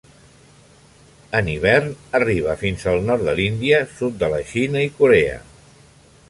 En hivern arriba fins al nord de l'Índia, sud de la Xina i Corea.